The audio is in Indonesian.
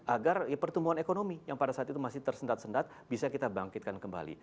agar pertumbuhan ekonomi yang pada saat itu masih tersendat sendat bisa kita bangkitkan kembali